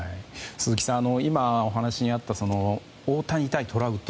今、お話にあった大谷対トラウト。